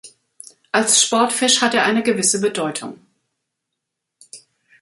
Als Sportfisch hat er eine gewisse Bedeutung.